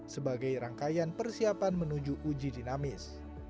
sebagai rangkaian persiapan menuju uji dinamis